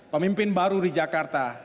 pemimpin baru di jakarta